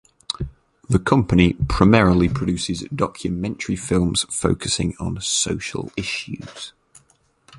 The company primarily produces documentary films focusing on social issues.